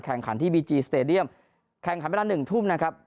แข่งขันที่บีจีสเตดียมแข่งขันเวลา๑ทุ่มนะครับ